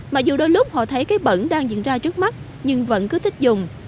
mặc dù đôi lúc họ thấy cái bẩn đang diễn ra trước mắt nhưng vẫn cứ thích dùng